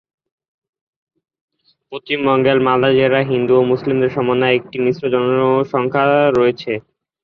পশ্চিমবঙ্গের মালদা জেলাতে হিন্দু ও মুসলমানদের সমন্বয়ে একটি মিশ্র জনসংখ্যা রয়েছে।